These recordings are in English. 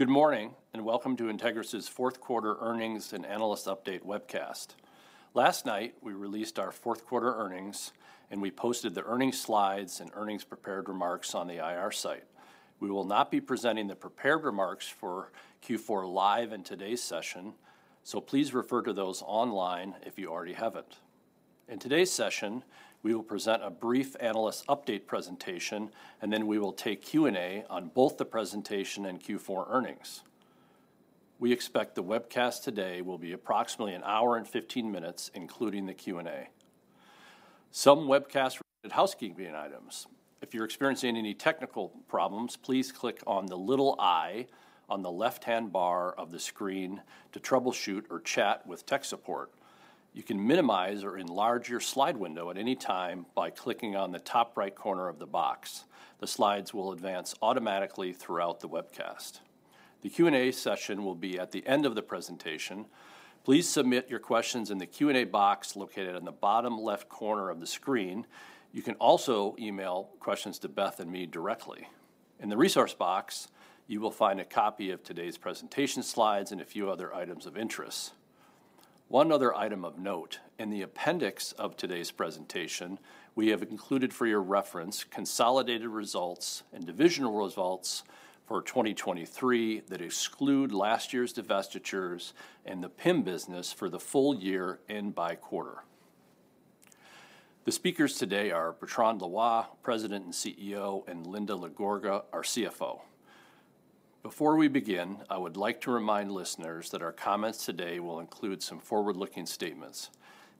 Good morning and welcome to Entegris's fourth quarter earnings and analyst update webcast. Last night we released our fourth quarter earnings, and we posted the earnings slides and earnings prepared remarks on the IR site. We will not be presenting the prepared remarks for Q4 live in today's session, so please refer to those online if you already haven't. In today's session, we will present a brief analyst update presentation, and then we will take Q&A on both the presentation and Q4 earnings. We expect the webcast today will be approximately an hour and 15 minutes, including the Q&A. Some webcast-related housekeeping items: if you're experiencing any technical problems, please click on the little "i" on the left-hand bar of the screen to troubleshoot or chat with tech support. You can minimize or enlarge your slide window at any time by clicking on the top right corner of the box. The slides will advance automatically throughout the webcast. The Q&A session will be at the end of the presentation. Please submit your questions in the Q&A box located in the bottom left corner of the screen. You can also email questions to Beth and me directly. In the resource box, you will find a copy of today's presentation slides and a few other items of interest. One other item of note: in the appendix of today's presentation, we have included for your reference consolidated results and divisional results for 2023 that exclude last year's divestitures and the PIM business for the full year and first quarter. The speakers today are Bertrand Loy, President and CEO, and Linda LaGorga, our CFO. Before we begin, I would like to remind listeners that our comments today will include some forward-looking statements.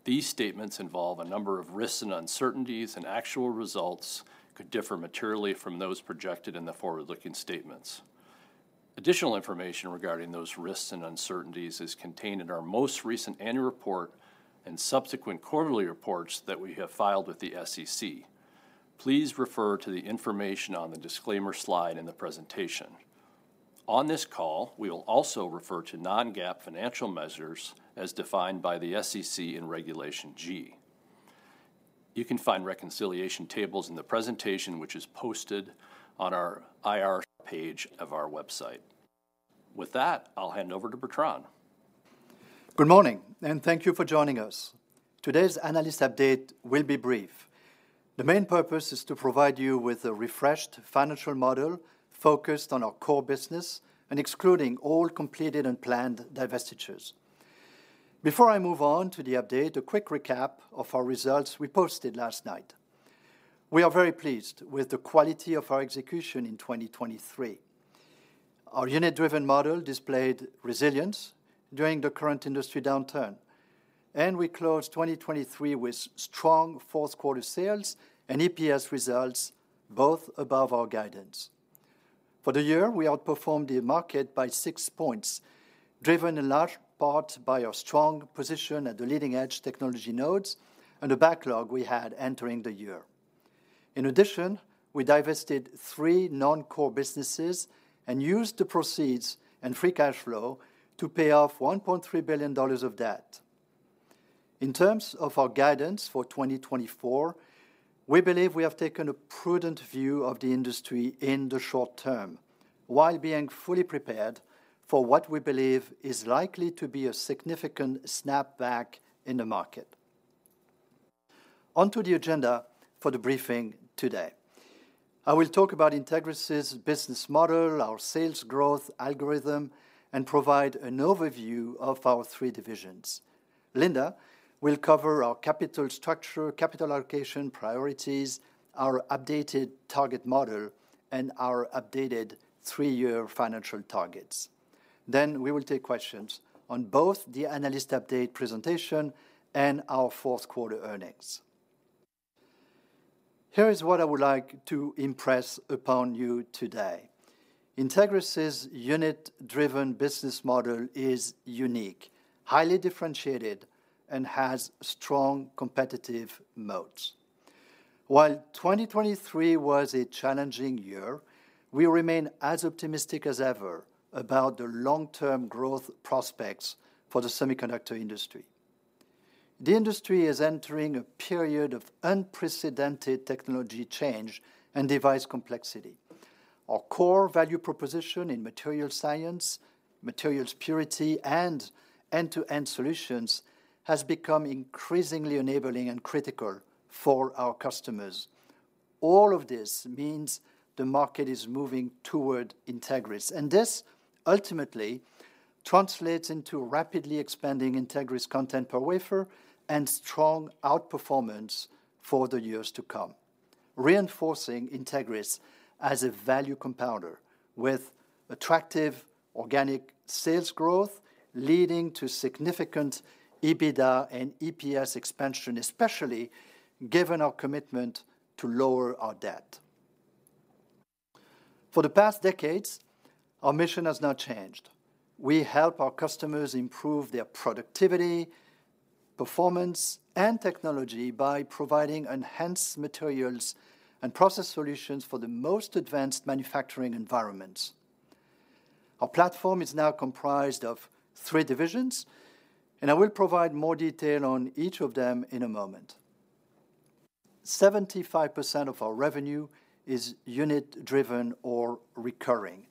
These statements involve a number of risks and uncertainties, and actual results could differ materially from those projected in the forward-looking statements. Additional information regarding those risks and uncertainties is contained in our most recent annual report and subsequent quarterly reports that we have filed with the SEC. Please refer to the information on the disclaimer slide in the presentation. On this call, we will also refer to non-GAAP financial measures as defined by the SEC in Regulation G. You can find reconciliation tables in the presentation which is posted on our IR page of our website. With that, I'll hand over to Bertrand. Good morning, and thank you for joining us. Today's analyst update will be brief. The main purpose is to provide you with a refreshed financial model focused on our core business and excluding all completed and planned divestitures. Before I move on to the update, a quick recap of our results we posted last night. We are very pleased with the quality of our execution in 2023. Our unit-driven model displayed resilience during the current industry downturn, and we closed 2023 with strong fourth quarter sales and EPS results both above our guidance. For the year, we outperformed the market by six points, driven in large part by our strong position at the leading-edge technology nodes and the backlog we had entering the year. In addition, we divested three non-core businesses and used the proceeds and free cash flow to pay off $1.3 billion of debt. In terms of our guidance for 2024, we believe we have taken a prudent view of the industry in the short term while being fully prepared for what we believe is likely to be a significant snapback in the market. Onto the agenda for the briefing today. I will talk about Entegris's business model, our sales growth algorithm, and provide an overview of our three divisions. Linda will cover our capital structure, capital allocation priorities, our updated target model, and our updated three-year financial targets. Then we will take questions on both the analyst update presentation and our fourth quarter earnings. Here is what I would like to impress upon you today. Entegris's unit-driven business model is unique, highly differentiated, and has strong competitive moats. While 2023 was a challenging year, we remain as optimistic as ever about the long-term growth prospects for the semiconductor industry. The industry is entering a period of unprecedented technology change and device complexity. Our core value proposition in materials science, materials purity, and end-to-end solutions has become increasingly enabling and critical for our customers. All of this means the market is moving toward Entegris, and this ultimately translates into rapidly expanding Entegris content per wafer and strong outperformance for the years to come, reinforcing Entegris as a value compounder with attractive organic sales growth leading to significant EBITDA and EPS expansion, especially given our commitment to lower our debt. For the past decades, our mission has not changed. We help our customers improve their productivity, performance, and technology by providing enhanced materials and process solutions for the most advanced manufacturing environments. Our platform is now comprised of three divisions, and I will provide more detail on each of them in a moment. 75% of our revenue is unit-driven or recurring.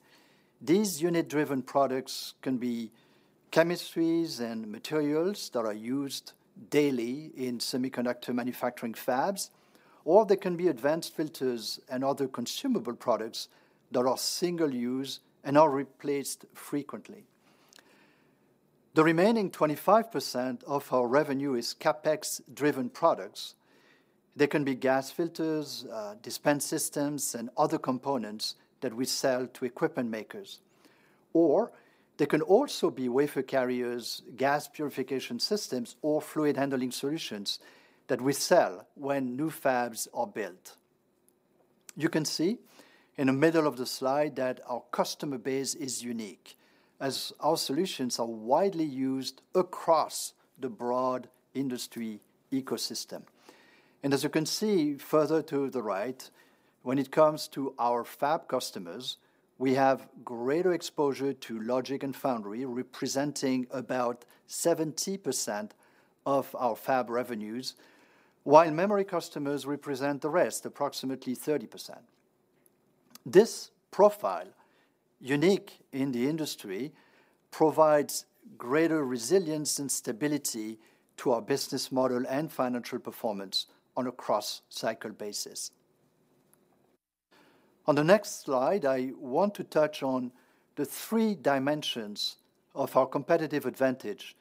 These unit-driven products can be chemistries and materials that are used daily in semiconductor manufacturing fabs, or they can be advanced filters and other consumable products that are single-use and are replaced frequently. The remaining 25% of our revenue is CapEx-driven products. They can be gas filters, dispense systems, and other components that we sell to equipment makers. Or they can also be wafer carriers, gas purification systems, or fluid handling solutions that we sell when new fabs are built. You can see in the middle of the slide that our customer base is unique, as our solutions are widely used across the broad industry ecosystem. As you can see further to the right, when it comes to our fab customers, we have greater exposure to logic and foundry, representing about 70% of our fab revenues, while memory customers represent the rest, approximately 30%. This profile, unique in the industry, provides greater resilience and stability to our business model and financial performance on a cross-cycle basis. On the next slide, I want to touch on the three dimensions of our competitive advantage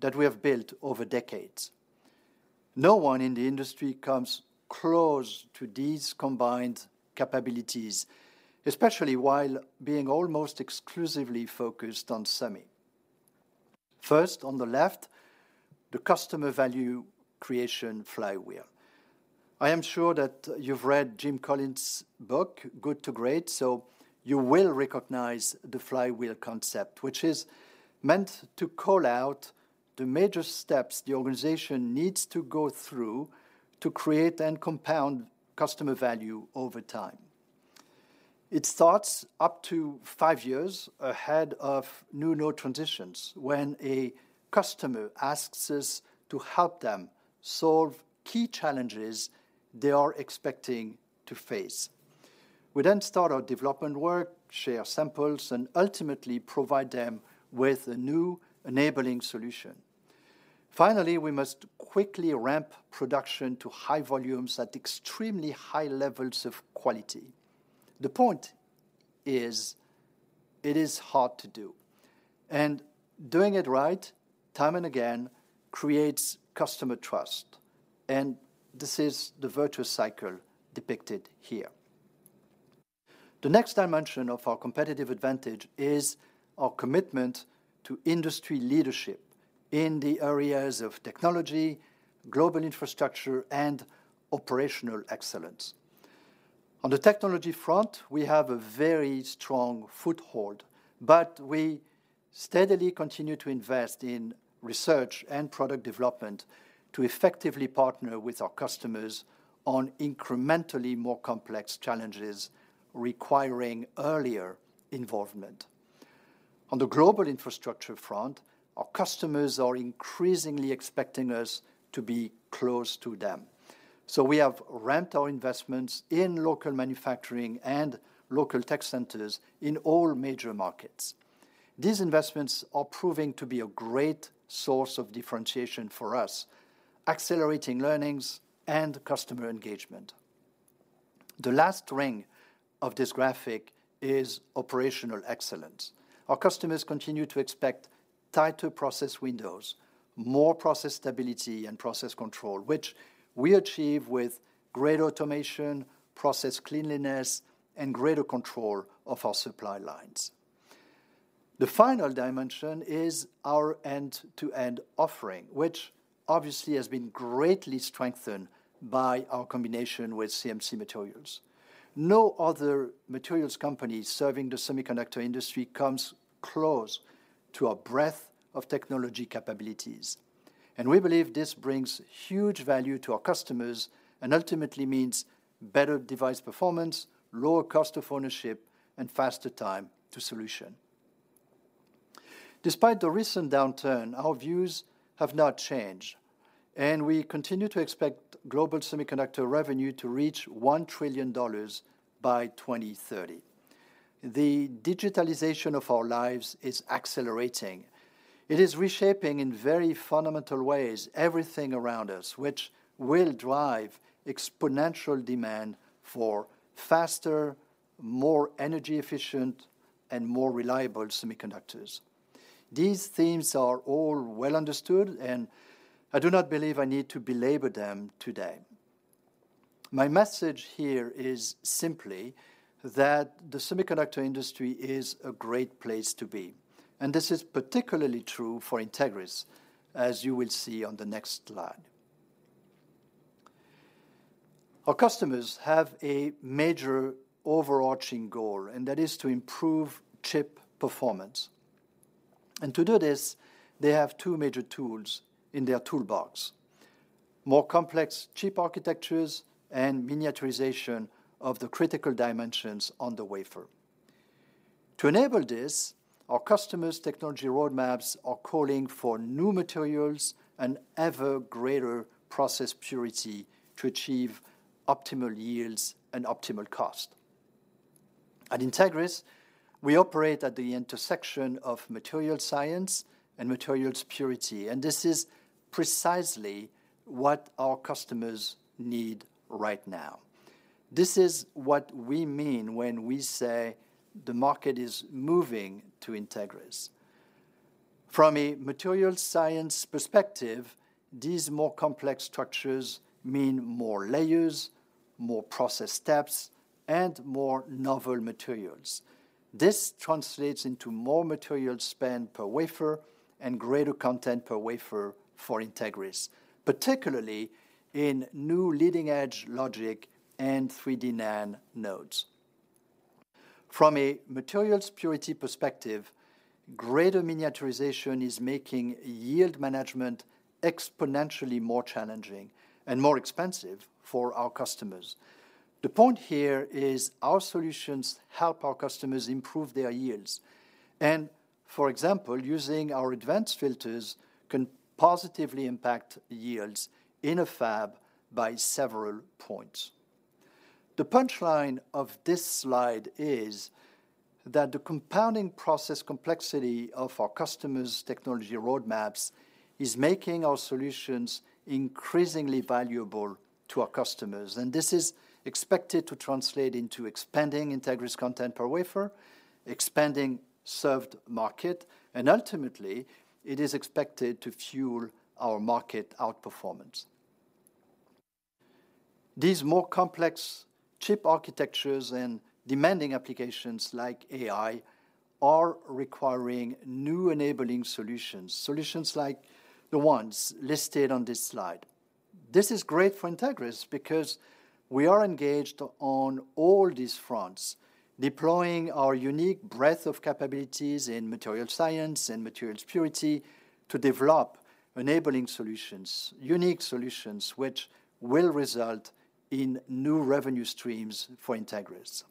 that we have built over decades. No one in the industry comes close to these combined capabilities, especially while being almost exclusively focused on semi. First, on the left, the customer value creation flywheel. I am sure that you've read Jim Collins' book, Good to Great, so you will recognize the flywheel concept, which is meant to call out the major steps the organization needs to go through to create and compound customer value over time. It starts up to five years ahead of new node transitions when a customer asks us to help them solve key challenges they are expecting to face. We then start our development work, share samples, and ultimately provide them with a new enabling solution. Finally, we must quickly ramp production to high volumes at extremely high levels of quality. The point is: it is hard to do. And doing it right, time and again, creates customer trust, and this is the virtuous cycle depicted here. The next dimension of our competitive advantage is our commitment to industry leadership in the areas of technology, global infrastructure, and operational excellence. On the technology front, we have a very strong foothold, but we steadily continue to invest in research and product development to effectively partner with our customers on incrementally more complex challenges requiring earlier involvement. On the global infrastructure front, our customers are increasingly expecting us to be close to them. So we have ramped our investments in local manufacturing and local tech centers in all major markets. These investments are proving to be a great source of differentiation for us, accelerating learnings and customer engagement. The last ring of this graphic is operational excellence. Our customers continue to expect tighter process windows, more process stability, and process control, which we achieve with greater automation, process cleanliness, and greater control of our supply lines. The final dimension is our end-to-end offering, which obviously has been greatly strengthened by our combination with CMC Materials. No other materials company serving the semiconductor industry comes close to our breadth of technology capabilities. We believe this brings huge value to our customers and ultimately means better device performance, lower cost of ownership, and faster time to solution. Despite the recent downturn, our views have not changed, and we continue to expect global semiconductor revenue to reach $1 trillion by 2030. The digitalization of our lives is accelerating. It is reshaping in very fundamental ways everything around us, which will drive exponential demand for faster, more energy-efficient, and more reliable semiconductors. These themes are all well understood, and I do not believe I need to belabor them today. My message here is simply that the semiconductor industry is a great place to be, and this is particularly true for Entegris, as you will see on the next slide. Our customers have a major overarching goal, and that is to improve chip performance. To do this, they have two major tools in their toolbox: more complex chip architectures and miniaturization of the critical dimensions on the wafer. To enable this, our customers' technology roadmaps are calling for new materials and ever greater process purity to achieve optimal yields and optimal cost. At Entegris, we operate at the intersection of materials science and materials purity, and this is precisely what our customers need right now. This is what we mean when we say the market is moving to Entegris. From a materials science perspective, these more complex structures mean more layers, more process steps, and more novel materials. This translates into more materials spend per wafer and greater content per wafer for Entegris, particularly in new leading-edge logic and 3D NAND nodes. From a materials purity perspective, greater miniaturization is making yield management exponentially more challenging and more expensive for our customers. The point here is our solutions help our customers improve their yields, and, for example, using our advanced filters can positively impact yields in a fab by several points. The punchline of this slide is that the compounding process complexity of our customers' technology roadmaps is making our solutions increasingly valuable to our customers, and this is expected to translate into expanding Entegris content per wafer, expanding served market, and ultimately, it is expected to fuel our market outperformance. These more complex chip architectures and demanding applications, like AI, are requiring new enabling solutions, solutions like the ones listed on this slide. This is great for Entegris because we are engaged on all these fronts, deploying our unique breadth of capabilities in materials science and materials purity to develop enabling solutions, unique solutions, which will result in new revenue streams for Entegris.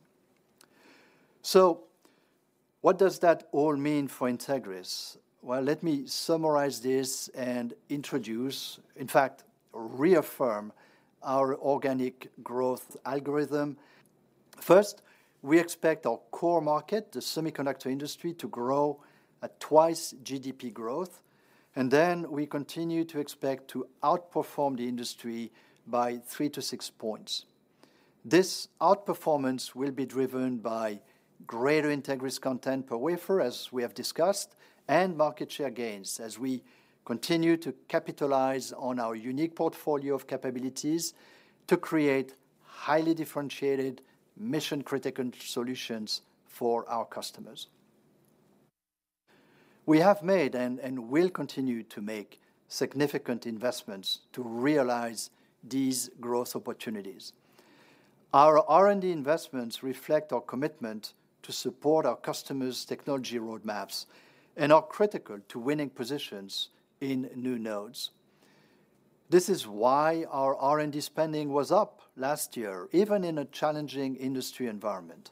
So what does that all mean for Entegris? Well, let me summarize this and introduce, in fact, reaffirm our organic growth algorithm. First, we expect our core market, the semiconductor industry, to grow at twice GDP growth, and then we continue to expect to outperform the industry by three to six points. This outperformance will be driven by greater Entegris content per wafer, as we have discussed, and market share gains as we continue to capitalize on our unique portfolio of capabilities to create highly differentiated, mission-critical solutions for our customers. We have made and will continue to make significant investments to realize these growth opportunities. Our R&D investments reflect our commitment to support our customers' technology roadmaps and are critical to winning positions in new nodes. This is why our R&D spending was up last year, even in a challenging industry environment.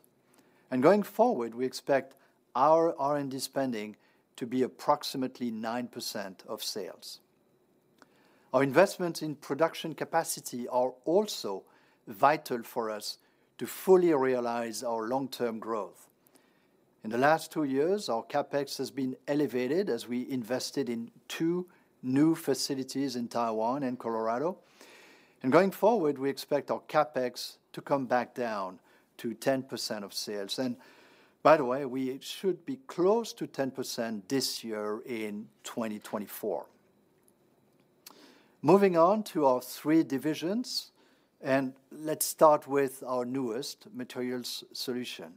Going forward, we expect our R&D spending to be approximately 9% of sales. Our investments in production capacity are also vital for us to fully realize our long-term growth. In the last two years, our CapEx has been elevated as we invested in two new facilities in Taiwan and Colorado. Going forward, we expect our CapEx to come back down to 10% of sales, and, by the way, we should be close to 10% this year in 2024. Moving on to our three divisions, and let's start with our newest Materials Solutions.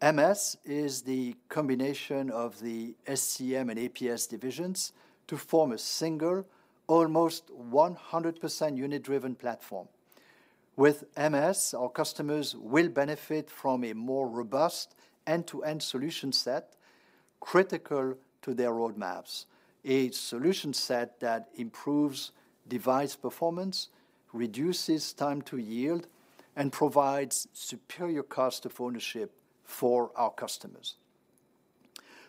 MS is the combination of the SCEM and APS divisions to form a single, almost 100% unit-driven platform. With MS, our customers will benefit from a more robust end-to-end solution set critical to their roadmaps, a solution set that improves device performance, reduces time-to-yield, and provides superior cost of ownership for our customers.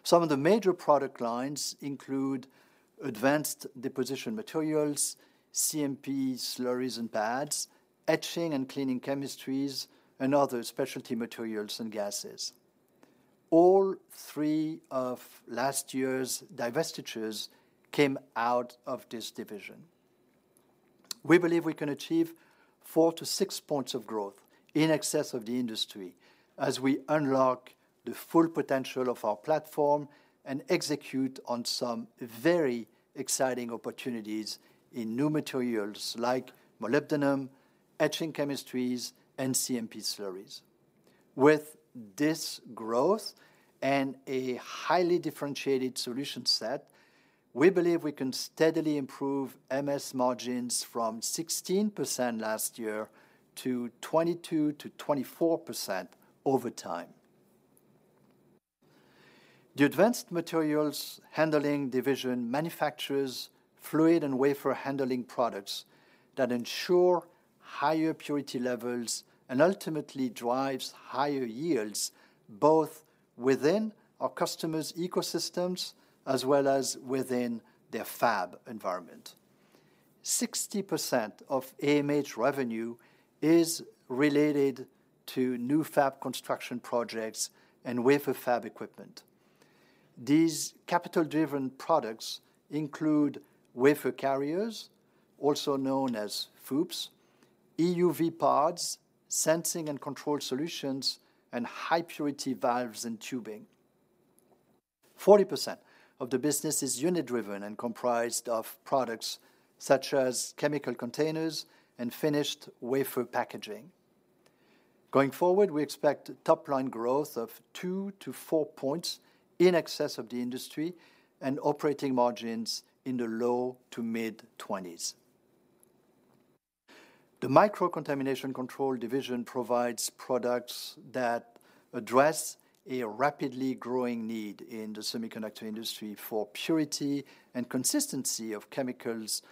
Some of the major product lines include advanced deposition materials, CMP slurries and pads, etching and cleaning chemistries, and other specialty materials and gases. All three of last year's divestitures came out of this division. We believe we can achieve four to six points of growth in excess of the industry as we unlock the full potential of our platform and execute on some very exciting opportunities in new materials like molybdenum, etching chemistries, and CMP slurries. With this growth and a highly differentiated solution set, we believe we can steadily improve MS margins from 16% last year to 22%-24% over time. The Advanced Materials Handling division manufactures fluid and wafer handling products that ensure higher purity levels and ultimately drive higher yields both within our customers' ecosystems as well as within their fab environment. 60% of AMH revenue is related to new fab construction projects and wafer fab equipment. These capital-driven products include wafer carriers, also known as FOUPs, EUV pods, sensing and control solutions, and high-purity valves and tubing. 40% of the business is unit-driven and comprised of products such as chemical containers and finished wafer packaging. Going forward, we expect top-line growth of two to four points in excess of the industry and operating margins in the low- to mid-20s. The Microcontamination Control Division provides products that address a rapidly growing need in the semiconductor industry for purity and consistency of chemicals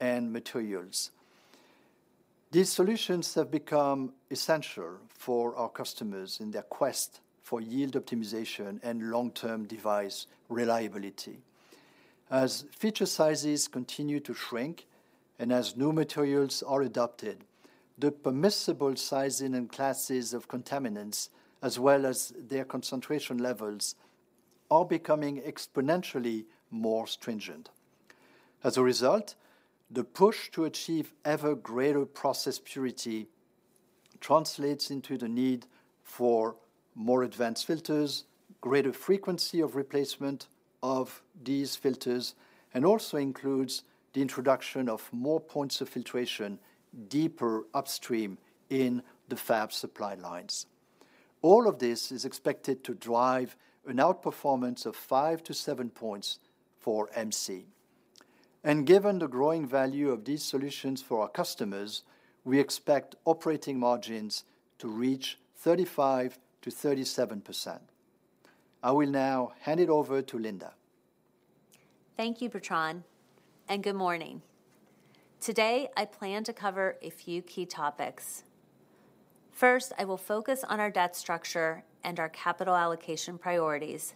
and materials. These solutions have become essential for our customers in their quest for yield optimization and long-term device reliability. As feature sizes continue to shrink and as new materials are adopted, the permissible sizing and classes of contaminants, as well as their concentration levels, are becoming exponentially more stringent. As a result, the push to achieve ever greater process purity translates into the need for more advanced filters, greater frequency of replacement of these filters, and also includes the introduction of more points of filtration deeper upstream in the fab supply lines. All of this is expected to drive an outperformance of five to seven points for MC. Given the growing value of these solutions for our customers, we expect operating margins to reach 35%-37%. I will now hand it over to Linda. Thank you, Bertrand, and good morning. Today, I plan to cover a few key topics. First, I will focus on our debt structure and our capital allocation priorities.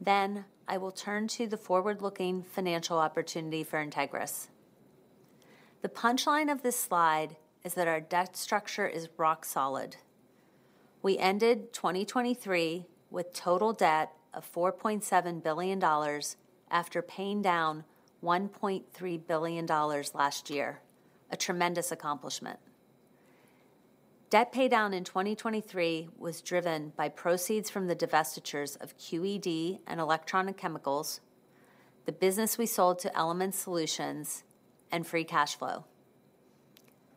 Then, I will turn to the forward-looking financial opportunity for Entegris. The punchline of this slide is that our debt structure is rock-solid. We ended 2023 with total debt of $4.7 billion after paying down $1.3 billion last year, a tremendous accomplishment. Debt paydown in 2023 was driven by proceeds from the divestitures of QED and Electronic Chemicals, the business we sold to Element Solutions, and free cash flow.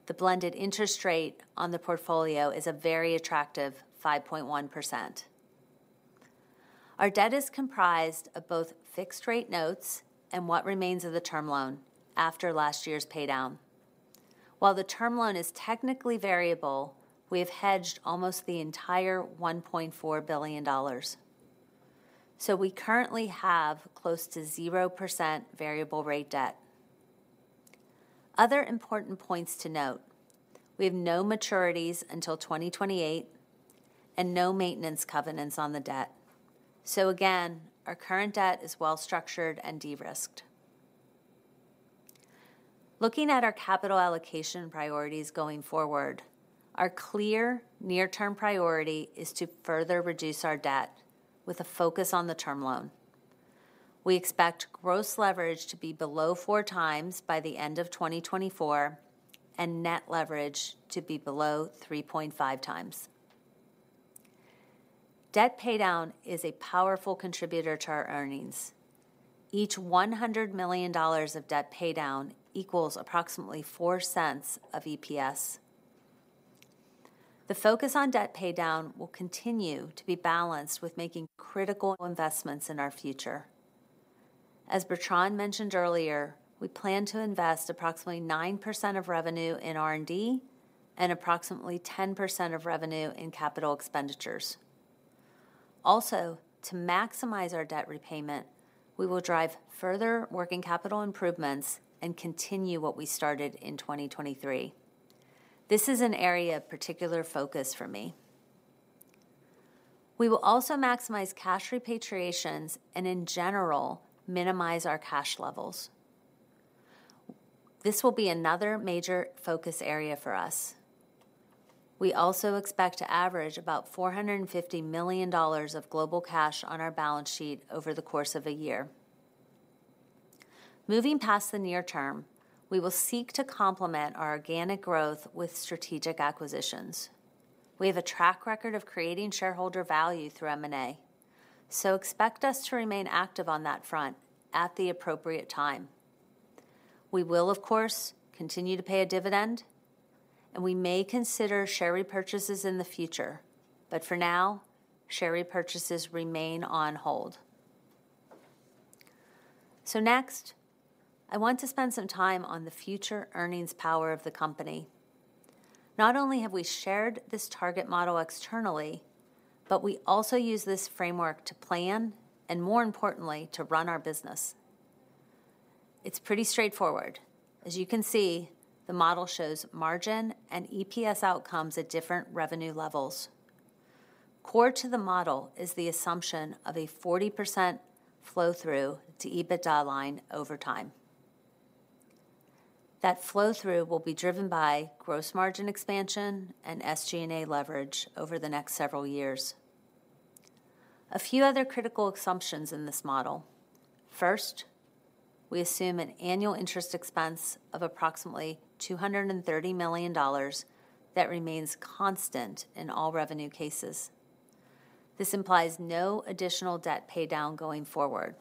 The blended interest rate on the portfolio is a very attractive 5.1%. Our debt is comprised of both fixed-rate notes and what remains of the term loan after last year's paydown. While the term loan is technically variable, we have hedged almost the entire $1.4 billion. So we currently have close to 0% variable-rate debt. Other important points to note: we have no maturities until 2028 and no maintenance covenants on the debt. So again, our current debt is well-structured and de-risked. Looking at our capital allocation priorities going forward, our clear near-term priority is to further reduce our debt with a focus on the term loan. We expect gross leverage to be below four times by the end of 2024 and net leverage to be below 3.5x. Debt paydown is a powerful contributor to our earnings. Each $100 million of debt paydown equals approximately four cents of EPS. The focus on debt paydown will continue to be balanced with making critical investments in our future. As Bertrand mentioned earlier, we plan to invest approximately 9% of revenue in R&D and approximately 10% of revenue in capital expenditures. Also, to maximize our debt repayment, we will drive further working capital improvements and continue what we started in 2023. This is an area of particular focus for me. We will also maximize cash repatriations and, in general, minimize our cash levels. This will be another major focus area for us. We also expect to average about $450 million of global cash on our balance sheet over the course of a year. Moving past the near term, we will seek to complement our organic growth with strategic acquisitions. We have a track record of creating shareholder value through M&A. So expect us to remain active on that front at the appropriate time. We will, of course, continue to pay a dividend, and we may consider share repurchases in the future, but for now, share repurchases remain on hold. So next, I want to spend some time on the future earnings power of the company. Not only have we shared this target model externally, but we also use this framework to plan and, more importantly, to run our business. It's pretty straightforward. As you can see, the model shows margin and EPS outcomes at different revenue levels. Core to the model is the assumption of a 40% flow-through to EBITDA line over time. That flow-through will be driven by gross margin expansion and SG&A leverage over the next several years. A few other critical assumptions in this model: first, we assume an annual interest expense of approximately $230 million that remains constant in all revenue cases. This implies no additional debt paydown going forward.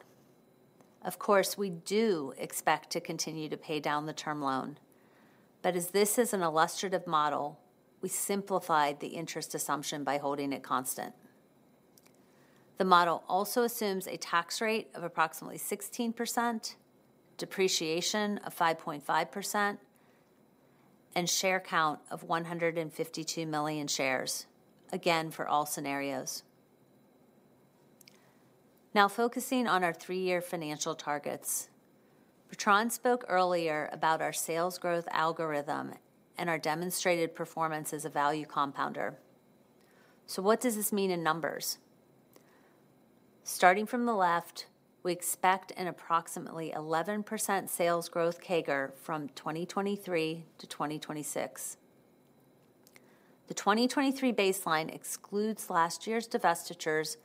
Of course, we do expect to continue to pay down the term loan. But as this is an illustrative model, we simplified the interest assumption by holding it constant. The model also assumes a tax rate of approximately 16%, depreciation of 5.5%, and share count of 152 million shares, again for all scenarios. Now, focusing on our three-year financial targets, Bertrand spoke earlier about our sales growth algorithm and our demonstrated performance as a value compounder. So what does this mean in numbers? Starting from the left, we expect an approximately 11% sales growth CAGR from 2023 to 2026. The 2023 baseline excludes last year's divestitures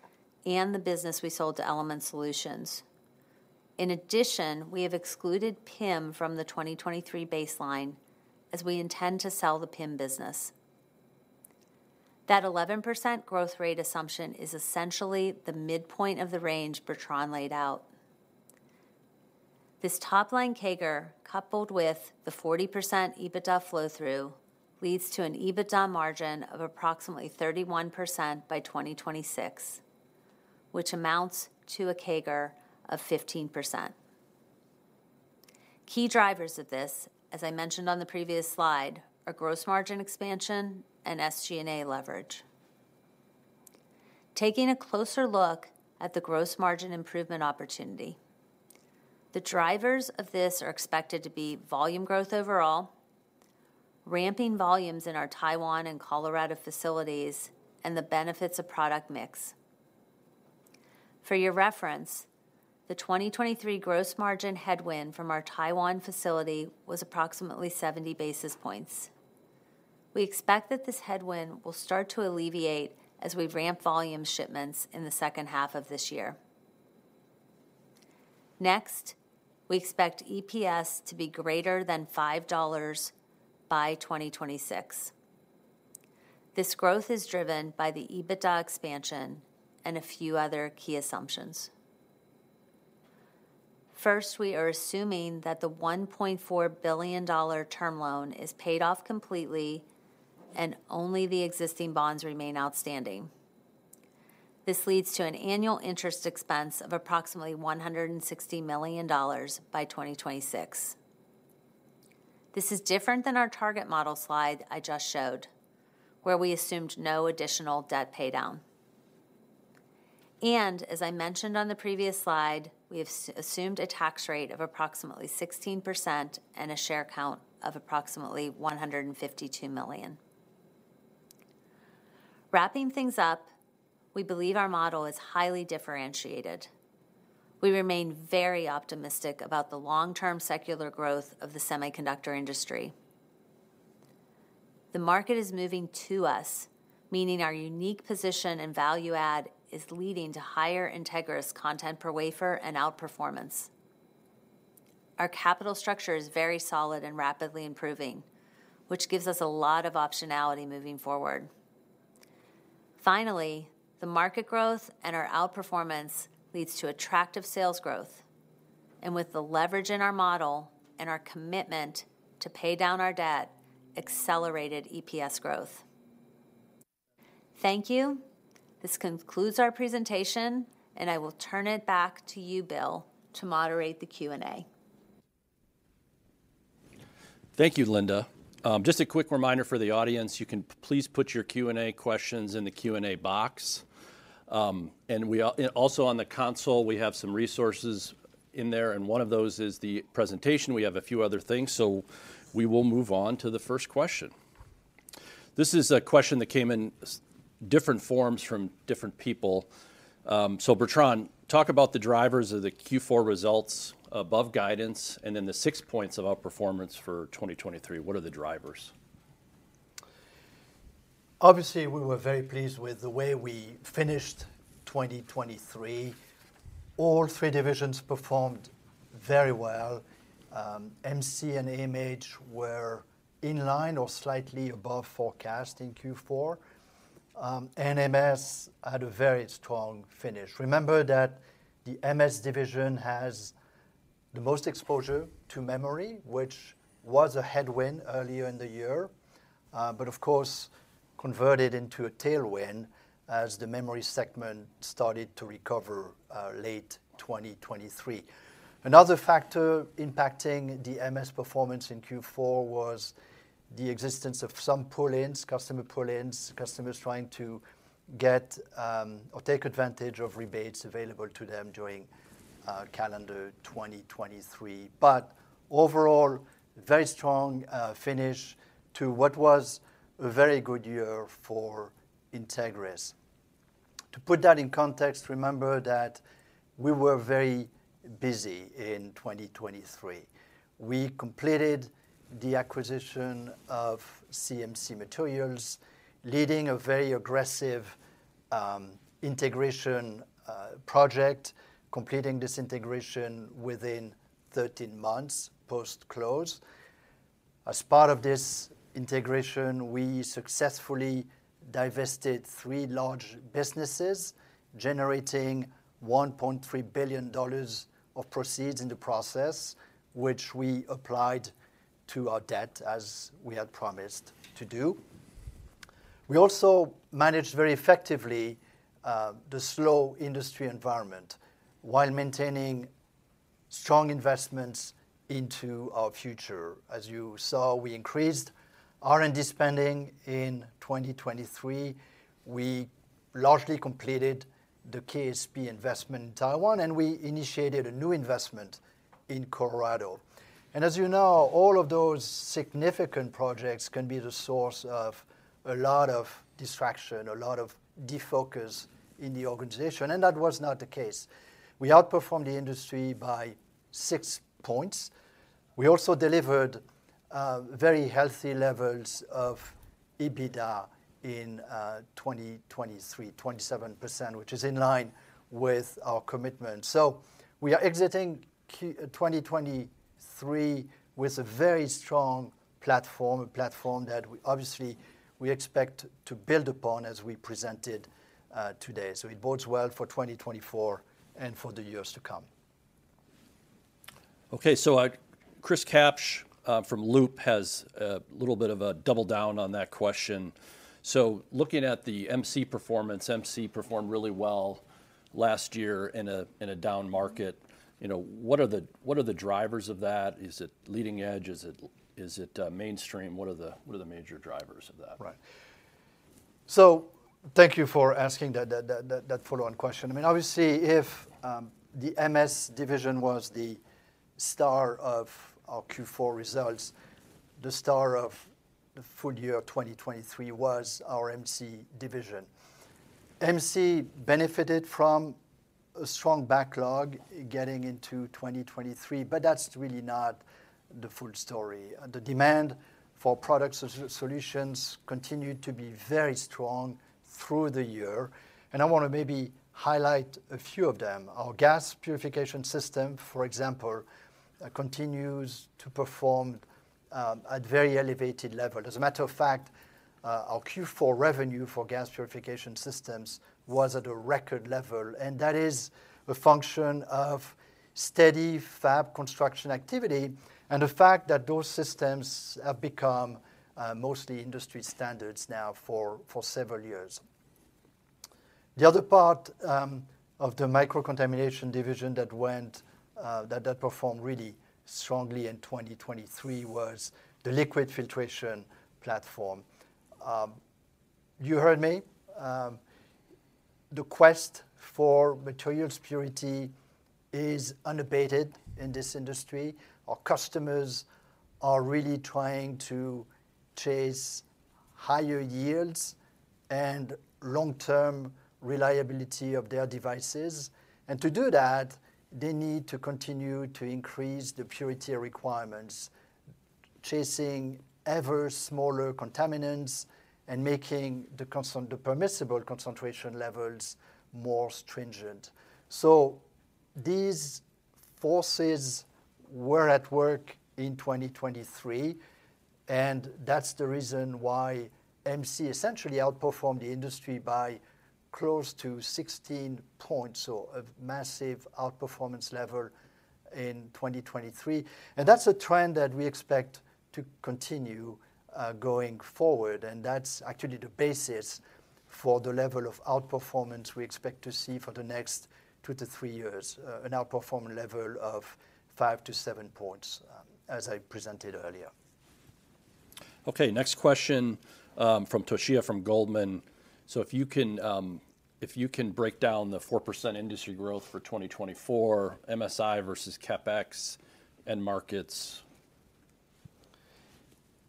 and the business we sold to Element Solutions. In addition, we have excluded PIM from the 2023 baseline as we intend to sell the PIM business. That 11% growth rate assumption is essentially the midpoint of the range Bertrand laid out. This top-line CAGR coupled with the 40% EBITDA flow-through leads to an EBITDA margin of approximately 31% by 2026, which amounts to a CAGR of 15%. Key drivers of this, as I mentioned on the previous slide, are gross margin expansion and SG&A leverage. Taking a closer look at the gross margin improvement opportunity, the drivers of this are expected to be volume growth overall, ramping volumes in our Taiwan and Colorado facilities, and the benefits of product mix. For your reference, the 2023 gross margin headwind from our Taiwan facility was approximately 70 basis points. We expect that this headwind will start to alleviate as we ramp volume shipments in the second half of this year. Next, we expect EPS to be greater than $5 by 2026. This growth is driven by the EBITDA expansion and a few other key assumptions. First, we are assuming that the $1.4 billion term loan is paid off completely and only the existing bonds remain outstanding. This leads to an annual interest expense of approximately $160 million by 2026. This is different than our target model slide I just showed, where we assumed no additional debt paydown. And as I mentioned on the previous slide, we have assumed a tax rate of approximately 16% and a share count of approximately 152 million. Wrapping things up, we believe our model is highly differentiated. We remain very optimistic about the long-term secular growth of the semiconductor industry. The market is moving to us, meaning our unique position and value add is leading to higher Entegris content per wafer and outperformance. Our capital structure is very solid and rapidly improving, which gives us a lot of optionality moving forward. Finally, the market growth and our outperformance leads to attractive sales growth. And with the leverage in our model and our commitment to pay down our debt, accelerated EPS growth. Thank you. This concludes our presentation, and I will turn it back to you, Bill, to moderate the Q&A. Thank you, Linda. Just a quick reminder for the audience, you can please put your Q&A questions in the Q&A box. And also on the console, we have some resources in there, and one of those is the presentation. We have a few other things, so we will move on to the first question. This is a question that came in different forms from different people. So Bertrand, talk about the drivers of the Q4 results above guidance and then the six points of outperformance for 2023. What are the drivers? Obviously, we were very pleased with the way we finished 2023. All three divisions performed very well. MC and AMH were in line or slightly above forecast in Q4. MS had a very strong finish. Remember that the MS division has the most exposure to memory, which was a headwind earlier in the year but, of course, converted into a tailwind as the memory segment started to recover late 2023. Another factor impacting the MS performance in Q4 was the existence of some pull-ins, customer pull-ins, customers trying to get or take advantage of rebates available to them during calendar 2023. But overall, very strong finish to what was a very good year for Entegris. To put that in context, remember that we were very busy in 2023. We completed the acquisition of CMC Materials, leading a very aggressive integration project, completing this integration within 13 months post-close. As part of this integration, we successfully divested three large businesses, generating $1.3 billion of proceeds in the process, which we applied to our debt as we had promised to do. We also managed very effectively the slow industry environment while maintaining strong investments into our future. As you saw, we increased R&D spending in 2023. We largely completed the KSP investment in Taiwan, and we initiated a new investment in Colorado. And as you know, all of those significant projects can be the source of a lot of distraction, a lot of defocus in the organization, and that was not the case. We outperformed the industry by six points. We also delivered very healthy levels of EBITDA in 2023, 27%, which is in line with our commitment. So we are exiting 2023 with a very strong platform, a platform that obviously we expect to build upon as we presented today. So it bodes well for 2024 and for the years to come. Okay. So Chris Kapsch from Loop has a little bit of a double down on that question. So looking at the MC performance, MC performed really well last year in a down market. What are the drivers of that? Is it leading edge? Is it mainstream? What are the major drivers of that? Right. So thank you for asking that follow-on question. I mean, obviously, if the MS division was the star of our Q4 results, the star of the full year 2023 was our MC division. MC benefited from a strong backlog getting into 2023, but that's really not the full story. The demand for products and solutions continued to be very strong through the year. I want to maybe highlight a few of them. Our gas purification system, for example, continues to perform at very elevated level. As a matter of fact, our Q4 revenue for gas purification systems was at a record level, and that is a function of steady fab construction activity and the fact that those systems have become mostly industry standards now for several years. The other part of the microcontamination division that performed really strongly in 2023 was the liquid filtration platform. You heard me. The quest for materials purity is unabated in this industry. Our customers are really trying to chase higher yields and long-term reliability of their devices. To do that, they need to continue to increase the purity requirements, chasing ever smaller contaminants and making the permissible concentration levels more stringent. So these forces were at work in 2023, and that's the reason why MC essentially outperformed the industry by close to 16 points, so a massive outperformance level in 2023. And that's a trend that we expect to continue going forward, and that's actually the basis for the level of outperformance we expect to see for the next two to three years, an outperforming level of five to seven points, as I presented earlier. Okay. Next question from Toshiya from Goldman. So if you can break down the 4% industry growth for 2024, MSI versus CapEx and markets.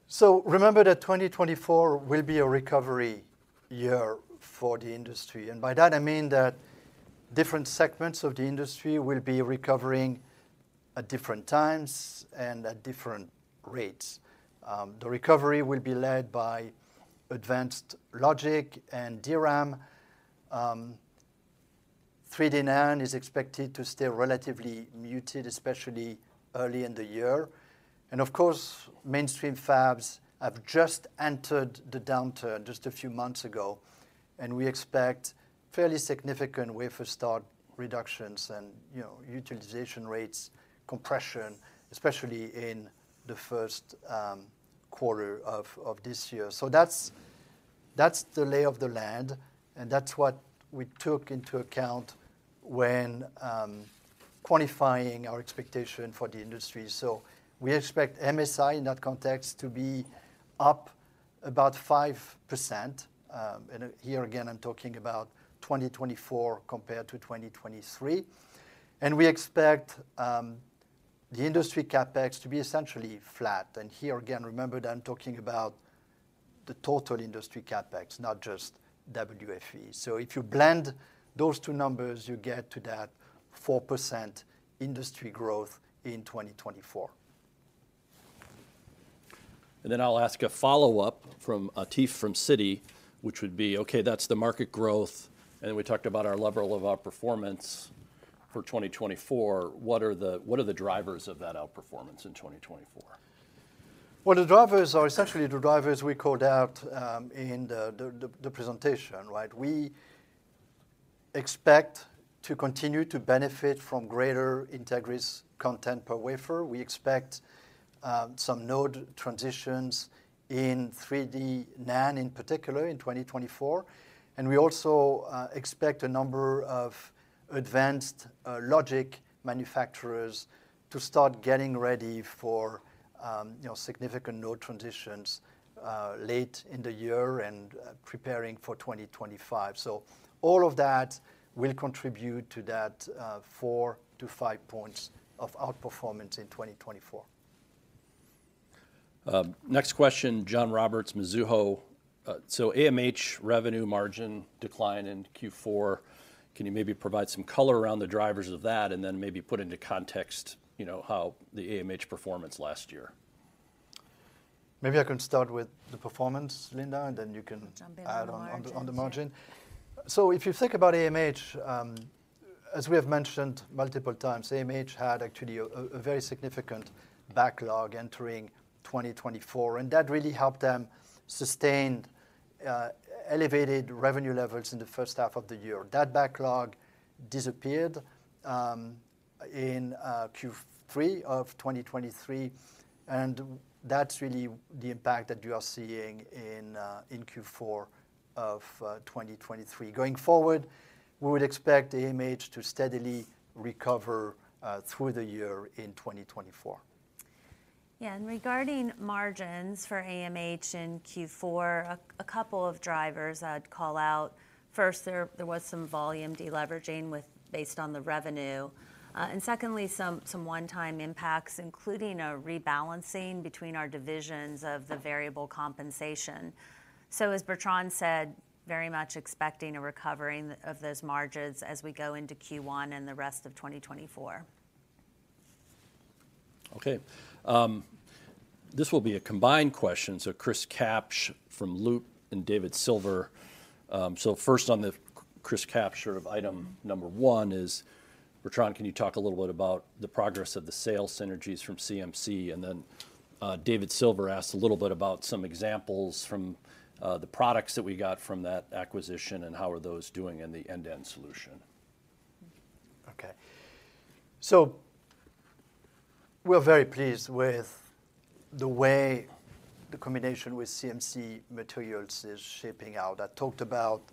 So remember that 2024 will be a recovery year for the industry. And by that, I mean that different segments of the industry will be recovering at different times and at different rates. The recovery will be led by advanced logic and DRAM. 3D NAND is expected to stay relatively muted, especially early in the year. And of course, mainstream fabs have just entered the downturn just a few months ago, and we expect fairly significant wafer start reductions and utilization rates compression, especially in the first quarter of this year. So that's the lay of the land, and that's what we took into account when quantifying our expectation for the industry. So we expect MSI in that context to be up about 5%. And here again, I'm talking about 2024 compared to 2023. And we expect the industry CapEx to be essentially flat. And here again, remember that I'm talking about the total industry CapEx, not just WFE. So if you blend those two numbers, you get to that 4% industry growth in 2024. And then I'll ask a follow-up from Atif from Citi, which would be, okay, that's the market growth, and then we talked about our level of outperformance for 2024. What are the drivers of that outperformance in 2024? Well, the drivers are essentially the drivers we called out in the presentation, right? We expect to continue to benefit from greater Entegris content per wafer. We expect some node transitions in 3D NAND in particular in 2024. And we also expect a number of Advanced Logic manufacturers to start getting ready for significant node transitions late in the year and preparing for 2025. So all of that will contribute to that four to five points of outperformance in 2024. Next question, John Roberts, Mizuho. So AMH revenue margin decline in Q4. Can you maybe provide some color around the drivers of that and then maybe put into context how the AMH performance last year? Maybe I can start with the performance, Linda, and then you can add on the margin. So if you think about AMH, as we have mentioned multiple times, AMH had actually a very significant backlog entering 2024, and that really helped them sustain elevated revenue levels in the first half of the year. That backlog disappeared in Q3 of 2023, and that's really the impact that you are seeing in Q4 of 2023. Going forward, we would expect AMH to steadily recover through the year in 2024. Yeah. And regarding margins for AMH in Q4, a couple of drivers I'd call out. First, there was some volume deleveraging based on the revenue. And secondly, some one-time impacts, including a rebalancing between our divisions of the variable compensation. So as Bertrand said, very much expecting a recovery of those margins as we go into Q1 and the rest of 2024. Okay. This will be a combined question. So Chris Kapsch from Loop and David Silver. So first on the Chris Kapsch sort of item number one is, Bertrand, can you talk a little bit about the progress of the sales synergies from CMC? And then David Silver asked a little bit about some examples from the products that we got from that acquisition and how are those doing in the end-to-end solution. Okay. So we're very pleased with the way the combination with CMC Materials is shaping out. I talked about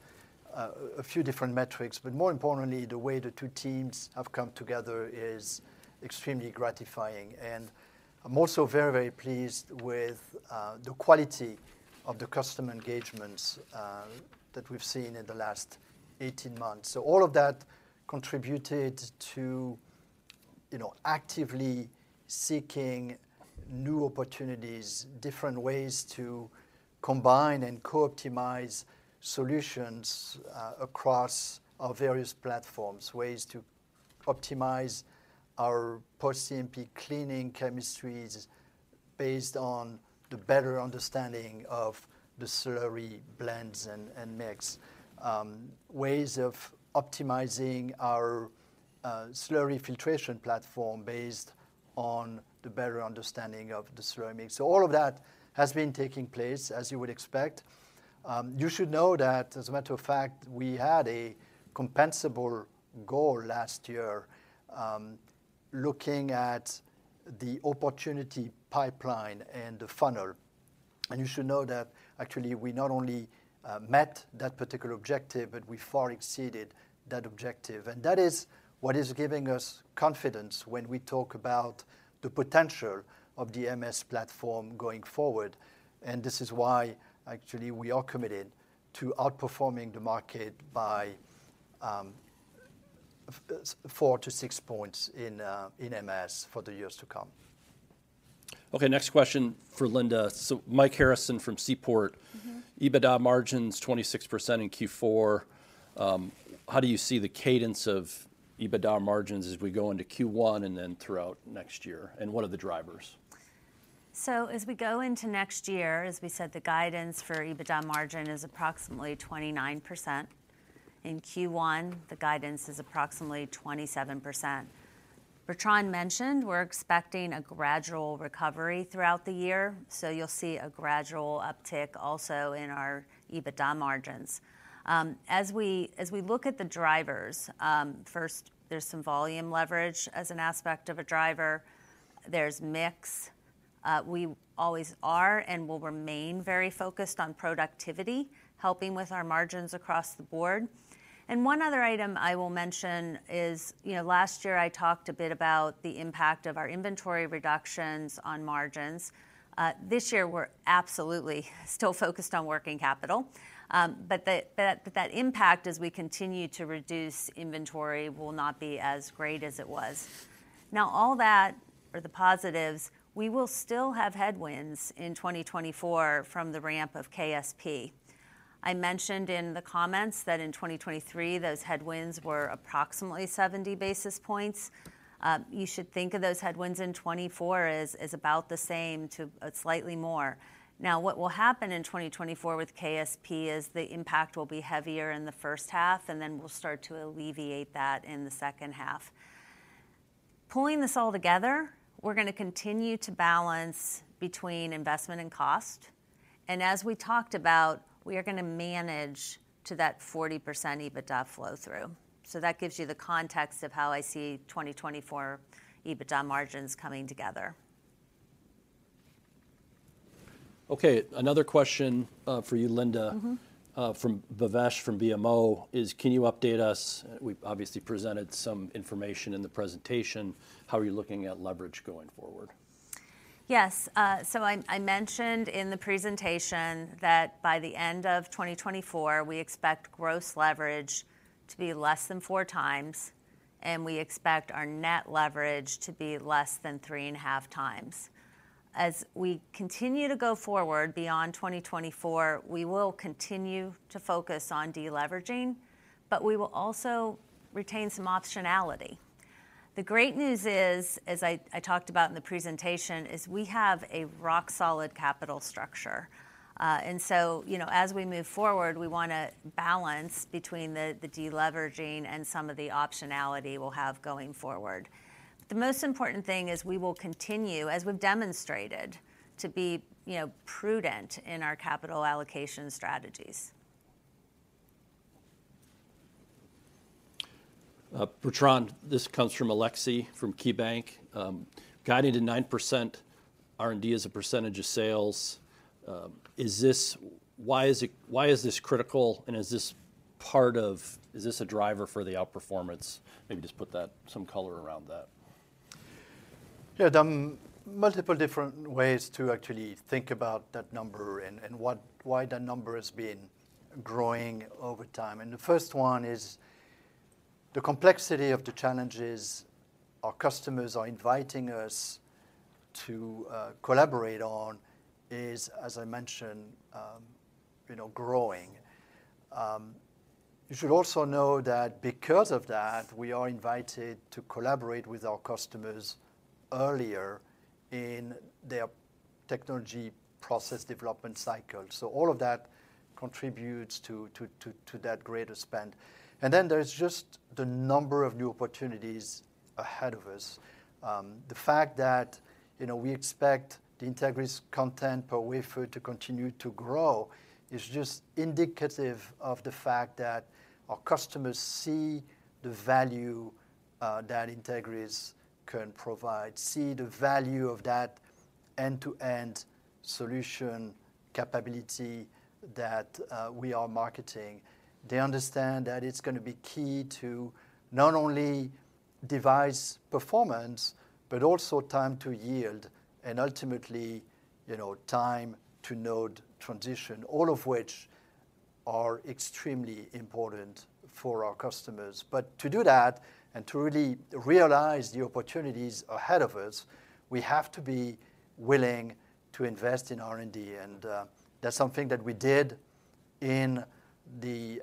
a few different metrics, but more importantly, the way the two teams have come together is extremely gratifying. I'm also very, very pleased with the quality of the customer engagements that we've seen in the last 18 months. All of that contributed to actively seeking new opportunities, different ways to combine and co-optimize solutions across our various platforms, ways to optimize our post-CMP cleaning chemistries based on the better understanding of the slurry blends and mix, ways of optimizing our slurry filtration platform based on the better understanding of the slurry mix. All of that has been taking place as you would expect. You should know that, as a matter of fact, we had a compensable goal last year looking at the opportunity pipeline and the funnel. You should know that actually, we not only met that particular objective, but we far exceeded that objective. That is what is giving us confidence when we talk about the potential of the MS platform going forward. And this is why actually we are committed to outperforming the market by four to six points in MS for the years to come. Okay. Next question for Linda. So Mike Harrison from Seaport. EBITDA margins, 26% in Q4. How do you see the cadence of EBITDA margins as we go into Q1 and then throughout next year? And what are the drivers? So as we go into next year, as we said, the guidance for EBITDA margin is approximately 29%. In Q1, the guidance is approximately 27%. Bertrand mentioned we're expecting a gradual recovery throughout the year, so you'll see a gradual uptick also in our EBITDA margins. As we look at the drivers, first, there's some volume leverage as an aspect of a driver. There's mix. We always are and will remain very focused on productivity, helping with our margins across the board. And one other item I will mention is last year, I talked a bit about the impact of our inventory reductions on margins. This year, we're absolutely still focused on working capital. But that impact, as we continue to reduce inventory, will not be as great as it was. Now, all that are the positives. We will still have headwinds in 2024 from the ramp of KSP. I mentioned in the comments that in 2023, those headwinds were approximately 70 basis points. You should think of those headwinds in 2024 as about the same to slightly more. Now, what will happen in 2024 with KSP is the impact will be heavier in the first half, and then we'll start to alleviate that in the second half. Pulling this all together, we're going to continue to balance between investment and cost. And as we talked about, we are going to manage to that 40% EBITDA flow-through. So that gives you the context of how I see 2024 EBITDA margins coming together. Okay. Another question for you, Linda, from Bhavesh from BMO is, can you update us? We obviously presented some information in the presentation. How are you looking at leverage going forward? Yes. So I mentioned in the presentation that by the end of 2024, we expect gross leverage to be less than 4x, and we expect our net leverage to be less than 3.5x. As we continue to go forward beyond 2024, we will continue to focus on deleveraging, but we will also retain some optionality. The great news is, as I talked about in the presentation, is we have a rock-solid capital structure. And so as we move forward, we want to balance between the deleveraging and some of the optionality we'll have going forward. The most important thing is we will continue, as we've demonstrated, to be prudent in our capital allocation strategies. Bertrand, this comes from Aleksey from KeyBank. Guiding to 9% R&D as a percentage of sales. Why is this critical, and is this part of, is this a driver for the outperformance? Maybe just put some color around that. Yeah. There are multiple different ways to actually think about that number and why that number has been growing over time. And the first one is the complexity of the challenges our customers are inviting us to collaborate on is, as I mentioned, growing. You should also know that because of that, we are invited to collaborate with our customers earlier in their technology process development cycle. So all of that contributes to that greater spend. And then there's just the number of new opportunities ahead of us. The fact that we expect the Entegris content per wafer to continue to grow is just indicative of the fact that our customers see the value that Entegris can provide, see the value of that end-to-end solution capability that we are marketing. They understand that it's going to be key to not only device performance, but also time to yield and ultimately time to node transition, all of which are extremely important for our customers. But to do that and to really realize the opportunities ahead of us, we have to be willing to invest in R&D. That's something that we did in the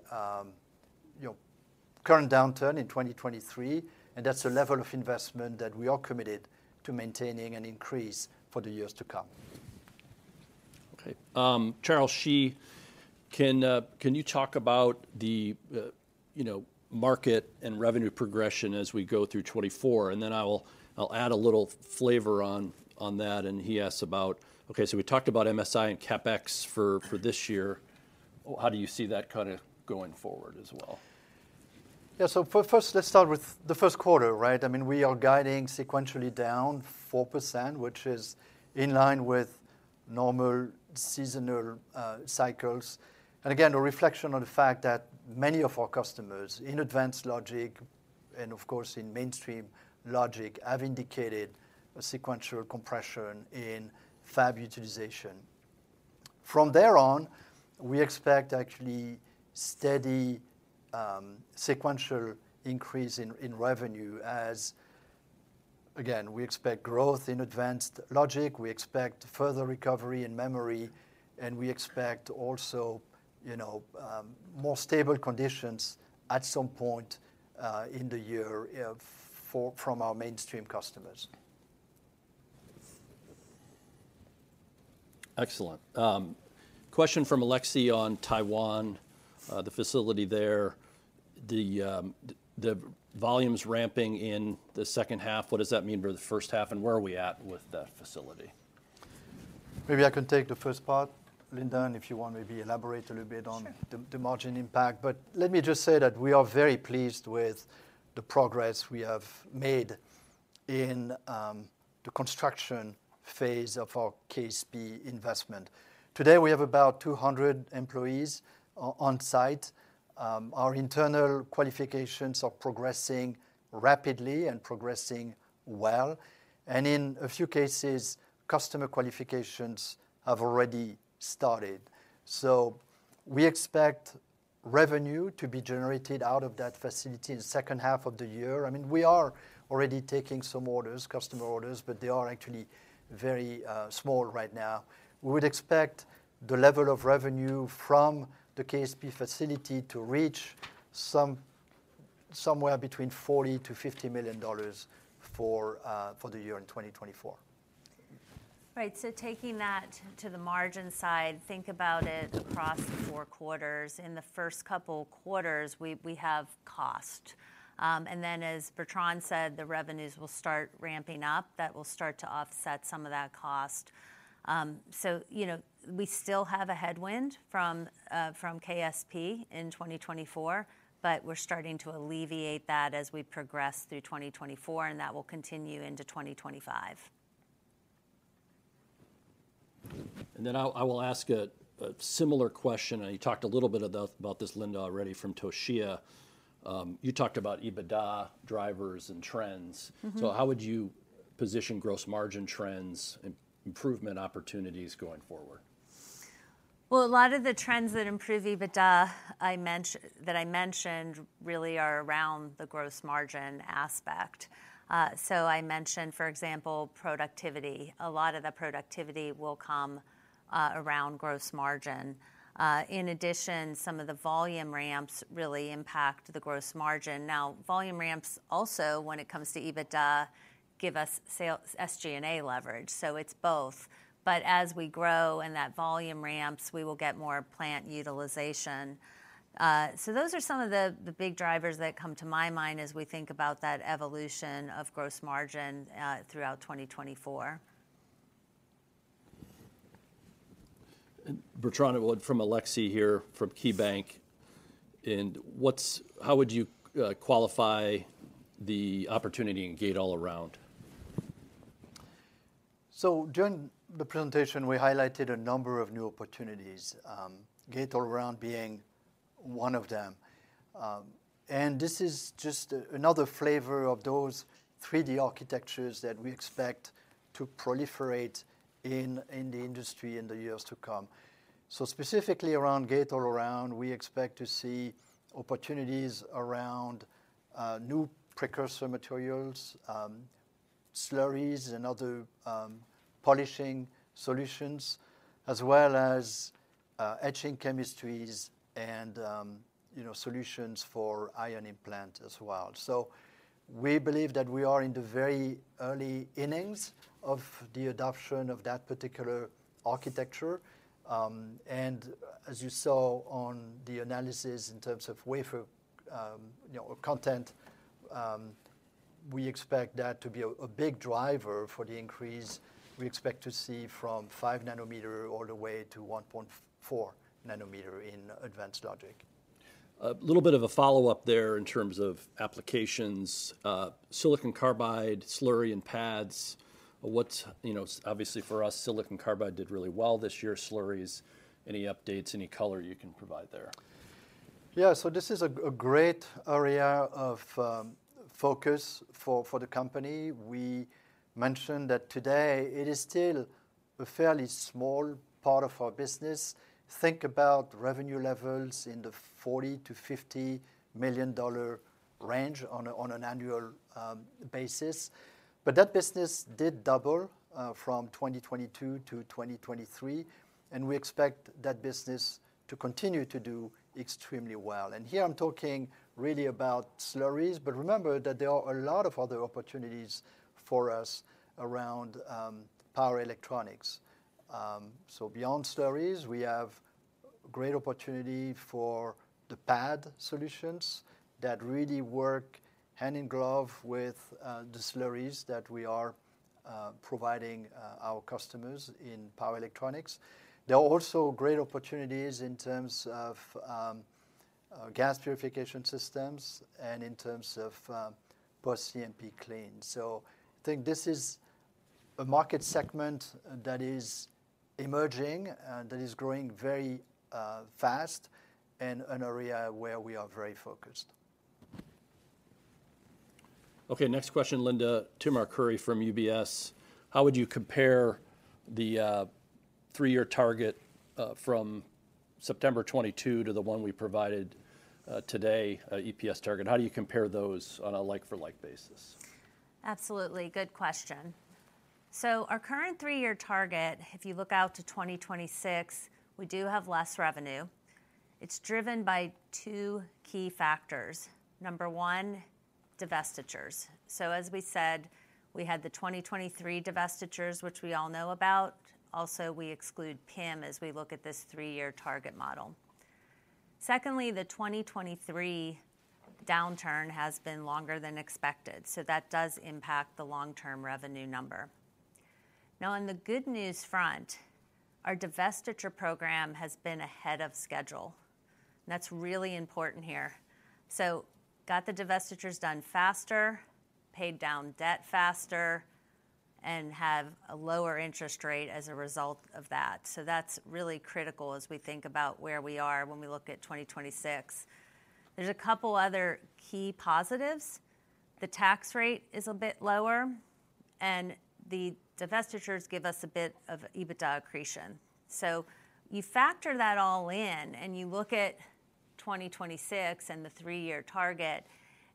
current downturn in 2023, and that's a level of investment that we are committed to maintaining and increase for the years to come. Okay. Charles Shi, can you talk about the market and revenue progression as we go through 2024? Then I'll add a little flavor on that. He asked about, okay, so we talked about MSI and CapEx for this year. How do you see that kind of going forward as well? Yeah. First, let's start with the first quarter, right? I mean, we are guiding sequentially down 4%, which is in line with normal seasonal cycles. Again, a reflection on the fact that many of our customers in Advanced Logic and, of course, in mainstream logic have indicated a sequential compression in fab utilization. From there on, we expect actually steady sequential increase in revenue as, again, we expect growth in Advanced Logic. We expect further recovery in memory, and we expect also more stable conditions at some point in the year from our mainstream customers. Excellent. Question from Alexi on Taiwan, the facility there. The volume's ramping in the second half. What does that mean for the first half, and where are we at with that facility? Maybe I can take the first part, Linda, and if you want, maybe elaborate a little bit on the margin impact. But let me just say that we are very pleased with the progress we have made in the construction phase of our KSP investment. Today, we have about 200 employees on site. Our internal qualifications are progressing rapidly and progressing well. And in a few cases, customer qualifications have already started. So we expect revenue to be generated out of that facility in the second half of the year. I mean, we are already taking some orders, customer orders, but they are actually very small right now. We would expect the level of revenue from the KSP facility to reach somewhere between $40 million-$50 million for the year in 2024. Right. So taking that to the margin side, think about it across the four quarters. In the first couple quarters, we have cost. And then, as Bertrand said, the revenues will start ramping up. That will start to offset some of that cost. So we still have a headwind from KSP in 2024, but we're starting to alleviate that as we progress through 2024, and that will continue into 2025. And then I will ask a similar question. And you talked a little bit about this, Linda, already from Toshiya. You talked about EBITDA drivers and trends. So how would you position gross margin trends and improvement opportunities going forward? Well, a lot of the trends that improve EBITDA that I mentioned really are around the gross margin aspect. So I mentioned, for example, productivity. A lot of the productivity will come around gross margin. In addition, some of the volume ramps really impact the gross margin. Now, volume ramps also, when it comes to EBITDA, give us SG&A leverage. So it's both. But as we grow and that volume ramps, we will get more plant utilization. So those are some of the big drivers that come to my mind as we think about that evolution of gross margin throughout 2024. And Bertrand, it will end from Alexi here from KeyBank. And how would you qualify the opportunity in Gate All Around? So during the presentation, we highlighted a number of new opportunities, Gate All Around being one of them. And this is just another flavor of those 3D architectures that we expect to proliferate in the industry in the years to come. So specifically around Gate All Around, we expect to see opportunities around new precursor materials, slurries, and other polishing solutions, as well as etching chemistries and solutions for ion implant as well. So we believe that we are in the very early innings of the adoption of that particular architecture. And as you saw on the analysis in terms of wafer content, we expect that to be a big driver for the increase we expect to see from 5 nanometer all the way to 1.4 nanometer in Advanced Logic. A little bit of a follow-up there in terms of applications. Silicon Carbide, slurry, and pads. Obviously, for us, Silicon Carbide did really well this year. Slurries, any updates, any color you can provide there? Yeah. So this is a great area of focus for the company. We mentioned that today, it is still a fairly small part of our business. Think about revenue levels in the $40 million-$50 million range on an annual basis. But that business did double from 2022 to 2023, and we expect that business to continue to do extremely well. And here, I'm talking really about slurries, but remember that there are a lot of other opportunities for us around power electronics. So beyond slurries, we have great opportunity for the pad solutions that really work hand-in-glove with the slurries that we are providing our customers in power electronics. There are also great opportunities in terms of gas purification systems and in terms of post-CMP clean. So I think this is a market segment that is emerging and that is growing very fast and an area where we are very focused. Okay. Next question, Linda. Tim Arcuri from UBS. How would you compare the three-year target from September 2022 to the one we provided today, EPS target? How do you compare those on a like-for-like basis? Absolutely. Good question. So our current three-year target, if you look out to 2026, we do have less revenue. It's driven by two key factors. Number one, divestitures. So as we said, we had the 2023 divestitures, which we all know about. Also, we exclude PIM as we look at this three-year target model. Secondly, the 2023 downturn has been longer than expected. So that does impact the long-term revenue number. Now, on the good news front, our divestiture program has been ahead of schedule. That's really important here. Got the divestitures done faster, paid down debt faster, and have a lower interest rate as a result of that. That's really critical as we think about where we are when we look at 2026. There's a couple other key positives. The tax rate is a bit lower, and the divestitures give us a bit of EBITDA accretion. You factor that all in, and you look at 2026 and the three-year target,